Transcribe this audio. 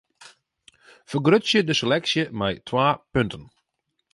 Fergrutsje de seleksje mei twa punten.